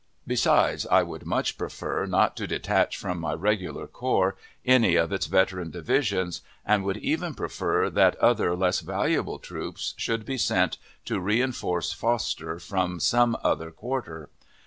Besides, I would much prefer not to detach from my regular corps any of its veteran divisions, and would even prefer that other less valuable troops should be sent to reenforce Foster from some other quarter.